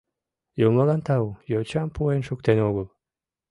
— Юмылан тау — йочам пуэн шуктен огыл.